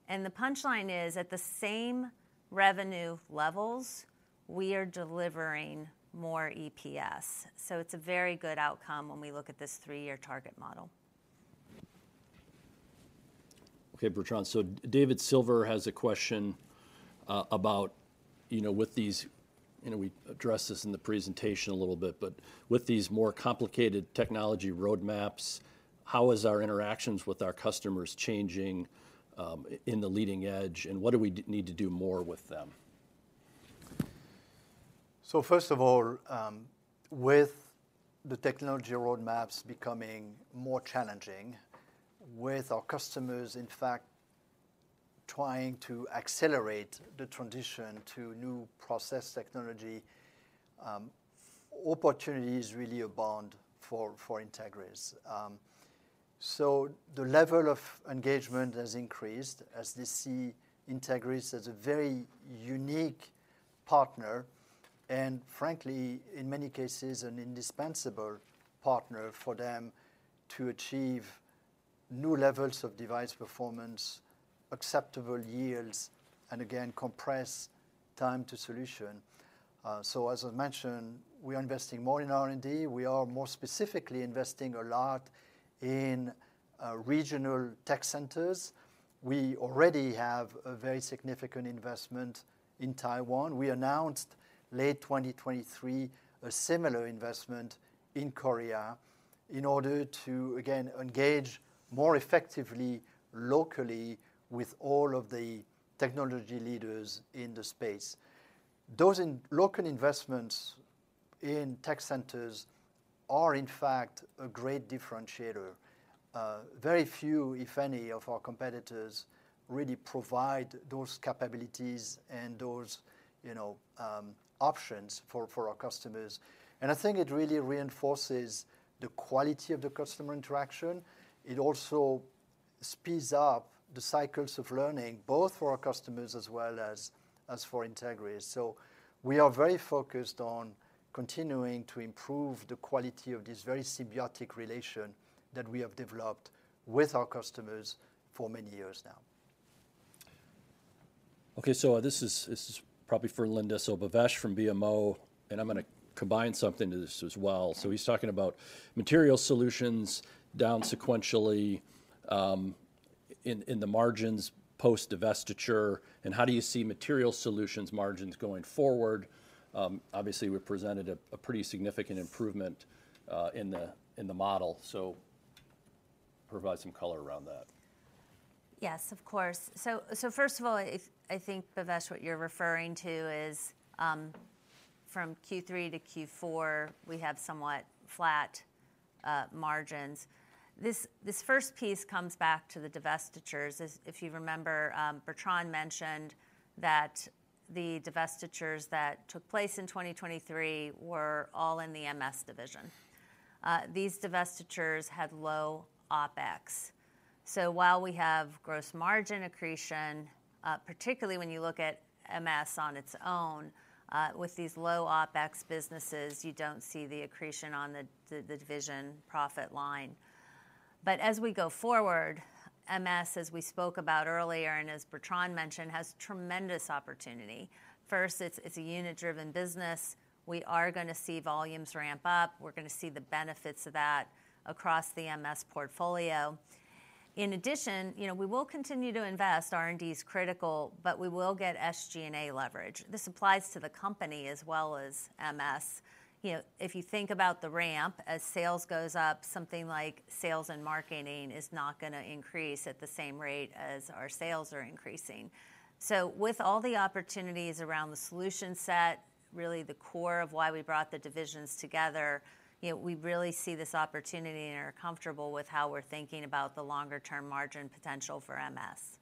and the punchline is at the same revenue levels, we are delivering more EPS. It's a very good outcome when we look at this three-year target model. Okay. Bertrand, so David Silver has a question about with these. We addressed this in the presentation a little bit, but with these more complicated technology roadmaps, how is our interactions with our customers changing in the Leading Edge, and what do we need to do more with them? So first of all, with the technology roadmaps becoming more challenging, with our customers, in fact, trying to accelerate the transition to new process technology, opportunities really abound for Entegris. So the level of engagement has increased as they see Entegris as a very unique partner and, frankly, in many cases, an indispensable partner for them to achieve new levels of device performance, acceptable yields, and again, compress time to solution. So as I mentioned, we are investing more in R&D. We are more specifically investing a lot in regional tech centers. We already have a very significant investment in Taiwan. We announced late 2023 a similar investment in Korea in order to, again, engage more effectively locally with all of the technology leaders in the space. Those local investments in tech centers are, in fact, a great differentiator. Very few, if any, of our competitors really provide those capabilities and those options for our customers. And I think it really reinforces the quality of the customer interaction. It also speeds up the cycles of learning, both for our customers as well as for Entegris. So we are very focused on continuing to improve the quality of this very symbiotic relation that we have developed with our customers for many years now. Okay. So this is probably for Linda, so Bhavesh from BMO, and I'm going to combine something to this as well. So he's talking about Material Solutions down sequentially in the margins post-divestiture. How do you see Material Solutions margins going forward? Obviously, we presented a pretty significant improvement in the model. So provide some color around that. Yes, of course. So first of all, I think, Bevesh, what you're referring to is from Q3 to Q4, we have somewhat flat margins. This first piece comes back to the divestitures. If you remember, Bertrand mentioned that the divestitures that took place in 2023 were all in the MS division. These divestitures had low OpEx. So while we have gross margin accretion, particularly when you look at MS on its own, with these low OpEx businesses, you don't see the accretion on the division profit line. But as we go forward, MS, as we spoke about earlier and as Bertrand mentioned, has tremendous opportunity. First, it's a unit-driven business. We are going to see volumes ramp up. We're going to see the benefits of that across the MS portfolio. In addition, we will continue to invest. R&D is critical, but we will get SG&A leverage. This applies to the company as well as MS. If you think about the ramp, as sales goes up, something like sales and marketing is not going to increase at the same rate as our sales are increasing. So with all the opportunities around the solution set, really the core of why we brought the divisions together, we really see this opportunity and are comfortable with how we're thinking about the longer-term margin potential for MS.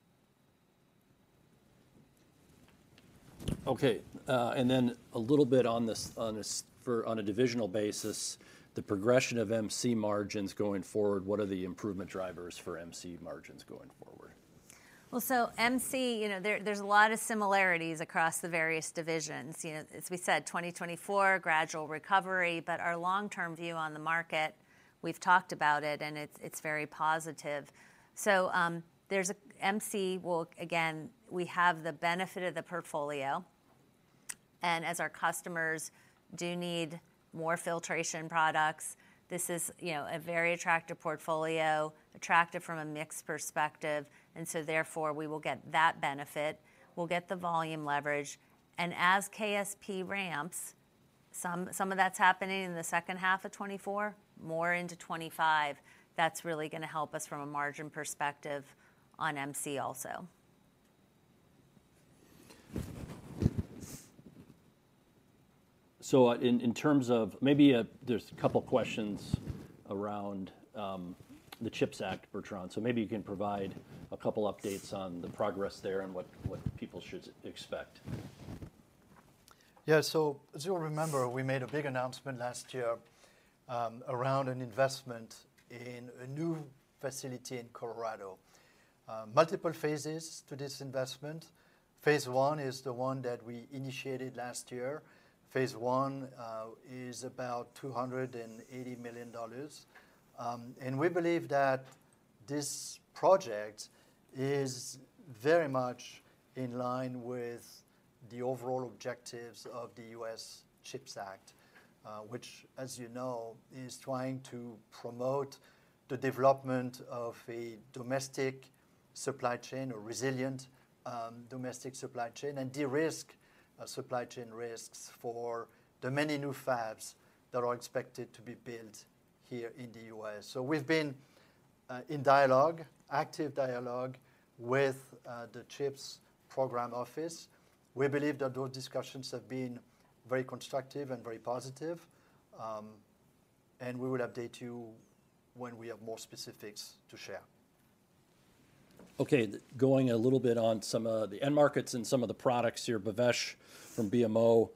Okay. And then a little bit on a divisional basis, the progression of MC margins going forward, what are the improvement drivers for MC margins going forward? Well, so MC, there's a lot of similarities across the various divisions. As we said, 2024, gradual recovery. But our long-term view on the market, we've talked about it, and it's very positive. So MC, again, we have the benefit of the portfolio. And as our customers do need more filtration products, this is a very attractive portfolio, attractive from a mixed perspective. And so therefore, we will get that benefit. We'll get the volume leverage. And as KSP ramps, some of that's happening in the second half of 2024, more into 2025. That's really going to help us from a margin perspective on MC also. So in terms of maybe there's a couple of questions around the CHIPS Act, Bertrand. So maybe you can provide a couple of updates on the progress there and what people should expect. Yeah. So as you'll remember, we made a big announcement last year around an investment in a new facility in Colorado. Multiple phases to this investment. Phase one is the one that we initiated last year. Phase I is about $280 million. We believe that this project is very much in line with the overall objectives of the U.S. CHIPS Act, which, as you know, is trying to promote the development of a domestic supply chain or resilient domestic supply chain and de-risk supply chain risks for the many new fabs that are expected to be built here in the U.S. We've been in dialogue, active dialogue, with the CHIPS Program Office. We believe that those discussions have been very constructive and very positive. We will update you when we have more specifics to share. Okay. Going a little bit on some of the end markets and some of the products here, Bhavesh from BMO,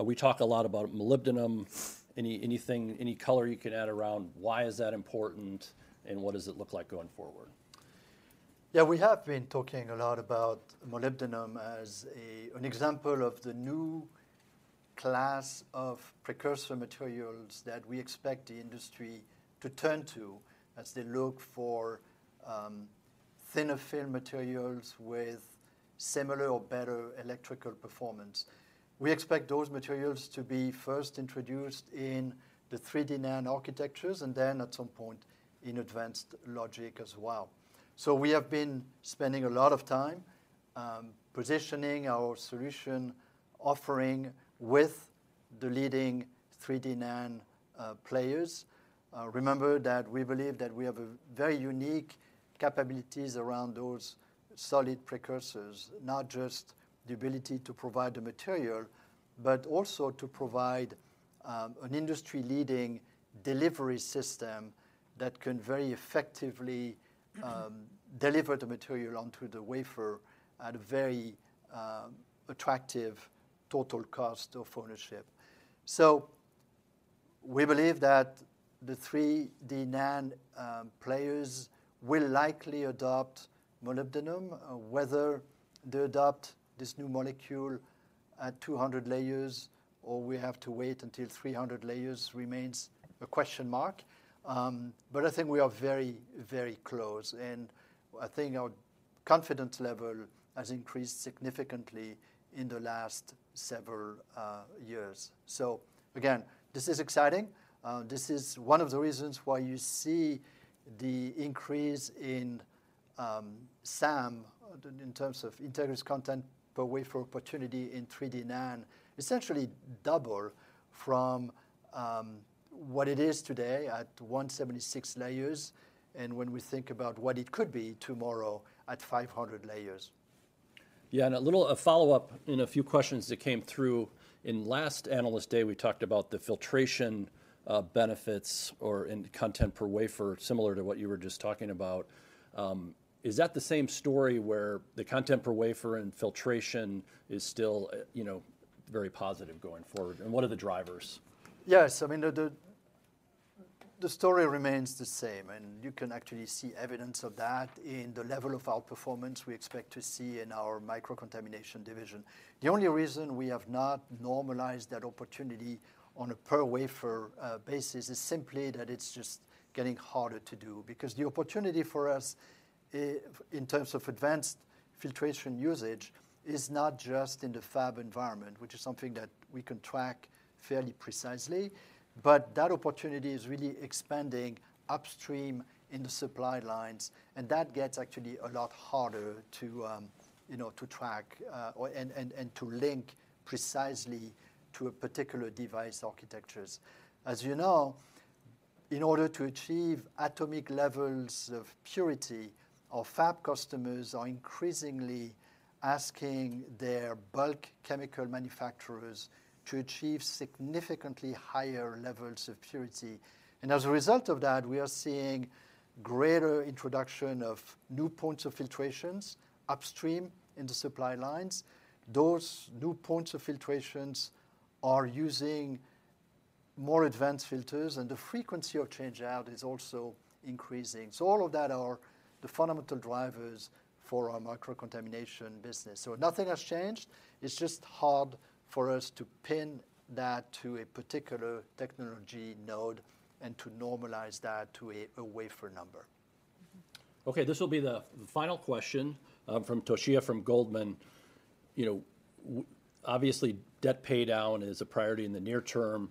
we talk a lot about molybdenum. Any color you can add around why is that important, and what does it look like going forward? Yeah. We have been talking a lot about molybdenum as an example of the new class of precursor materials that we expect the industry to turn to as they look for thinner-film materials with similar or better electrical performance. We expect those materials to be first introduced in the 3D NAND architectures and then at some point in Advanced Logic as well. So we have been spending a lot of time positioning our solution offering with the leading 3D NAND players. Remember that we believe that we have very unique capabilities around those solid precursors, not just the ability to provide the material, but also to provide an industry-leading delivery system that can very effectively deliver the material onto the wafer at a very attractive total cost of ownership. So we believe that the 3D NAND players will likely adopt molybdenum, whether they adopt this new molecule at 200 layers or we have to wait until 300 layers remains a question mark. But I think we are very, very close. And I think our confidence level has increased significantly in the last several years. So again, this is exciting. This is one of the reasons why you see the increase in SAM in terms of Entegris content per wafer opportunity in 3D NAND essentially double from what it is today at 176 layers and when we think about what it could be tomorrow at 500 layers. Yeah. And a follow-up in a few questions that came through in last analyst day, we talked about the filtration benefits or content per wafer similar to what you were just talking about. Is that the same story where the content per wafer and filtration is still very positive going forward? And what are the drivers? Yes. I mean, the story remains the same. You can actually see evidence of that in the level of outperformance we expect to see in our Microcontamination Division. The only reason we have not normalized that opportunity on a per-wafer basis is simply that it's just getting harder to do because the opportunity for us in terms of advanced filtration usage is not just in the fab environment, which is something that we can track fairly precisely. But that opportunity is really expanding upstream in the supply lines. That gets actually a lot harder to track and to link precisely to particular device architectures. As you know, in order to achieve atomic levels of purity, our fab customers are increasingly asking their bulk chemical manufacturers to achieve significantly higher levels of purity. And as a result of that, we are seeing greater introduction of new points of filtrations upstream in the supply lines. Those new points of filtrations are using more advanced filters, and the frequency of changeout is also increasing. So all of that are the fundamental drivers for our microcontamination business. So nothing has changed. It's just hard for us to pin that to a particular technology node and to normalize that to a wafer number. Okay. This will be the final question from Toshiya from Goldman. Obviously, debt paydown is a priority in the near term.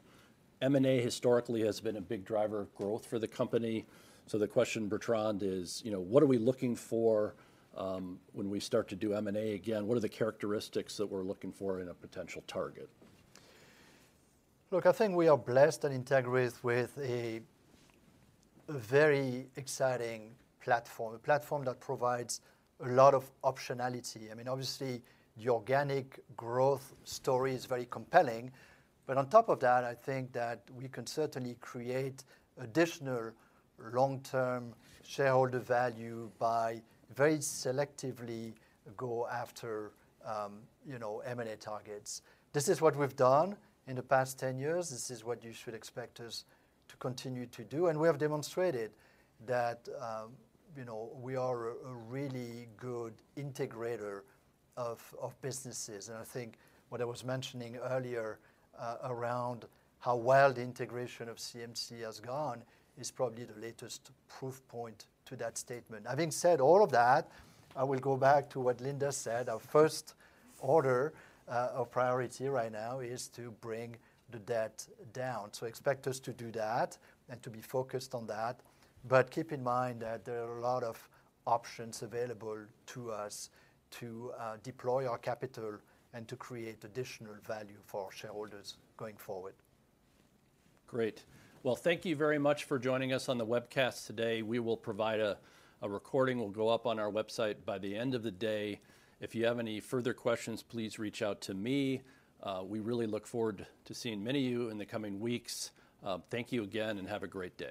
M&A historically has been a big driver of growth for the company. So the question, Bertrand, is what are we looking for when we start to do M&A again? What are the characteristics that we're looking for in a potential target? Look, I think we are blessed at Entegris with a very exciting platform, a platform that provides a lot of optionality. I mean, obviously, the organic growth story is very compelling. But on top of that, I think that we can certainly create additional long-term shareholder value by very selectively going after M&A targets. This is what we've done in the past 10 years. This is what you should expect us to continue to do. And we have demonstrated that we are a really good integrator of businesses. And I think what I was mentioning earlier around how well the integration of CMC has gone is probably the latest proof point to that statement. Having said all of that, I will go back to what Linda said. Our first order of priority right now is to bring the debt down. So expect us to do that and to be focused on that. But keep in mind that there are a lot of options available to us to deploy our capital and to create additional value for our shareholders going forward. Great. Well, thank you very much for joining us on the webcast today. We will provide a recording. We'll go up on our website by the end of the day. If you have any further questions, please reach out to me. We really look forward to seeing many of you in the coming weeks. Thank you again, and have a great day.